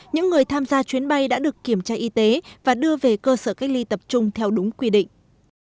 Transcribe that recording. những người tham gia chuyến bay đã được kiểm tra y tế và đưa về cơ sở cách ly tập trung theo đúng quy định